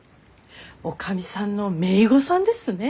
女将さんの姪御さんですね。